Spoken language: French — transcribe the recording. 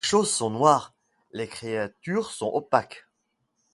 Les choses sont noires, les créatures sont opaques.